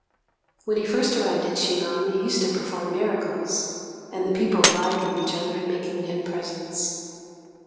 When he first arrived at Chi nan he used to perform miracles, and the people vied with each other in making him presents.